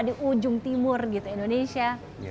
di ujung timur gitu indonesia